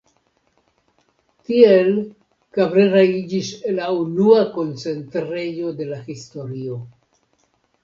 Tiel Cabrera iĝis la unua koncentrejo de la historio.